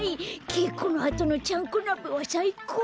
けいこのあとのちゃんこなべはさいこう！